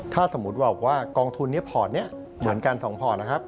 ถ้าสมมุติว่ากองทุนพอร์ตเหมือนกัน๒พอร์ตนะครับ